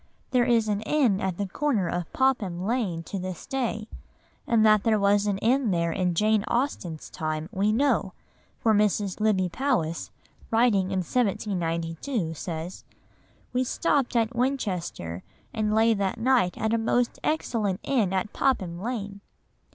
There is an inn at the corner of Popham Lane to this day, and that there was an inn there in Jane Austen's time we know, for Mrs. Lybbe Powys, writing in 1792, says: "We stopped at Winchester and lay that night at a most excellent inn at Popham Lane."